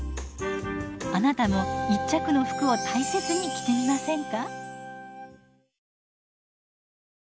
あなたも一着の服を大切に着てみませんか。